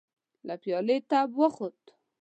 له پيالې تپ خوت.